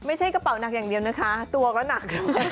ไม่ใช่กระเป๋าหนักอย่างเดียวนะคะตัวก็หนัก